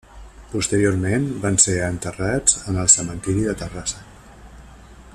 Posteriorment van ser enterrats en el cementiri de Terrassa.